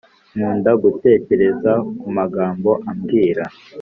Nkunda gutekereza kumagambo abwira